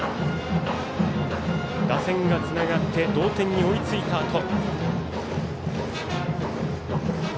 打線がつながって同点に追いついたあと。